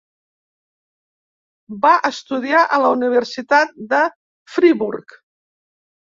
Va estudiar a la Universitat de Friburg.